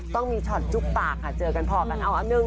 ต้องมีชอตจุ๊บปากค่ะเจอกันพอกัน